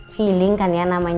feeling kan ya